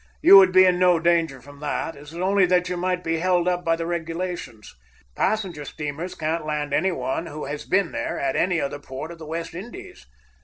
You would be in no danger from that. It is only that you might be held up by the regulations. Passenger steamers can't land any one who has been there at any other port of the West Indies.